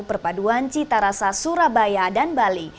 perpaduan cita rasa surabaya dan bali